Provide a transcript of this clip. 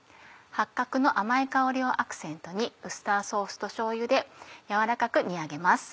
八角の甘い香りをアクセントにウスターソースとしょうゆで軟らかく煮上げます。